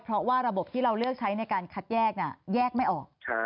เพราะว่าระบบที่เราเลือกใช้ในการคัดแยกแยกไม่ออก